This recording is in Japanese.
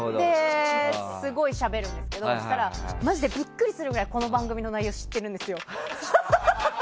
すごいしゃべるんですけどそしたら、マジでビックリするくらいこの番組の内容知ってるんですよ。